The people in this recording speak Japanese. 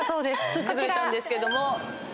撮ってくれたんですけども。